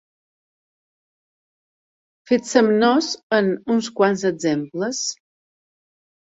Fixem-nos en uns quants exemples.